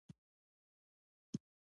بادرنګ د غذايي کمښت جبران کوي.